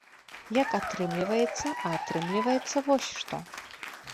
Як атрымліваецца, а атрымліваецца вось што.